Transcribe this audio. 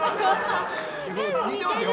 似てますよ。